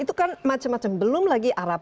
itu kan macam macam belum lagi arab spring di mesir